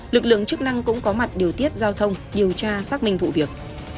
lực lượng chức năng cũng có mặt điều tiết giao thông điều tra xác minh vụ việc